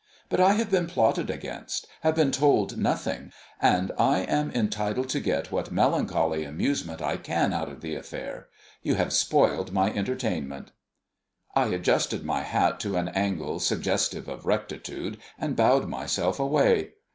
But I have been plotted against, have been told nothing; and I am entitled to get what melancholy amusement I can out of the affair. You have spoiled my entertainment." I adjusted my hat to an angle suggestive of rectitude, and bowed myself away.